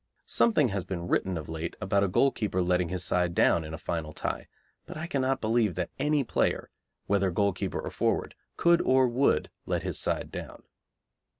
Something has been written of late about a goalkeeper letting his side down in a final tie, but I cannot believe that any player, whether goalkeeper or forward, could or would let his side down.